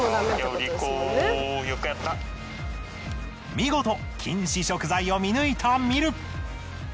見事禁止食材を見抜いたミル！